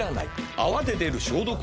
「泡で出る消毒液」は。